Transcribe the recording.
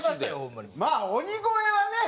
まあ鬼越はね。